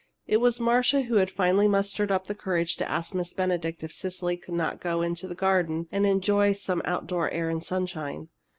It was Marcia who had finally mustered up courage to ask Miss Benedict if Cecily could not go into the garden and enjoy there some outdoor air and sunshine.